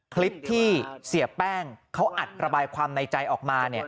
คลิปที่เสียแป้งเขาอัดระบายความในใจออกมา